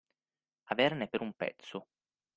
Averne per un pezzo.